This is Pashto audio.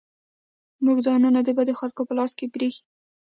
موږ ځانونه د بدو خلکو په لاس کې پرېښي.